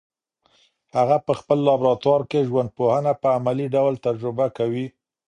هغه په خپل لابراتوار کي ژوندپوهنه په عملي ډول تجربه کوي.